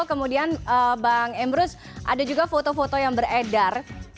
kemudian bang emrus ada juga foto foto yang beredar